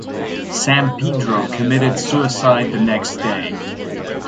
Sampedro committed suicide the next day.